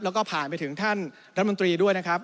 แล้วก็ผ่านไปถึงท่านรัฐมนตรีด้วยนะครับ